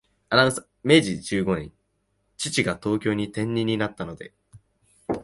明治十五年、父が東京に転任になったので、